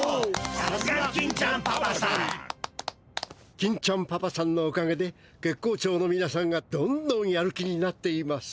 金ちゃんパパさんのおかげで月光町のみなさんがどんどんやる気になっています。